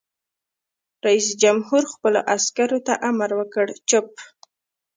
رئیس جمهور خپلو عسکرو ته امر وکړ؛ چپ!